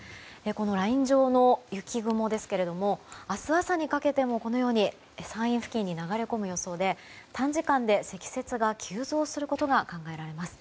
ライン上の雪雲ですが明日朝にかけても、このように山陰付近に流れ込む予想で短時間で積雪が急増することが考えられます。